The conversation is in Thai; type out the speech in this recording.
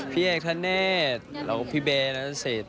พี่เอสเทนตร์แล้วก็พี่เบนเสสิต